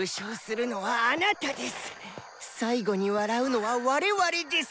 最後に笑うのは我々です。